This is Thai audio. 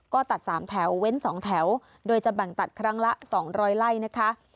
ก็ตัดสามแถวเว้นสองแถวโดยจะแบ่งตัดครั้งละสองรอยไล่นะคะ